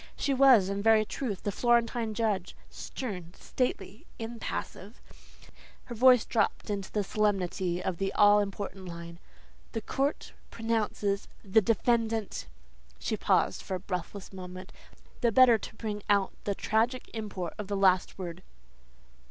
She was, in very truth, the Florentine judge, stern, stately, impassive. Her voice dropped into the solemnity of the all important line, "'The court pronounces the defendant '" She paused for a breathless moment, the better to bring out the tragic import of the last word.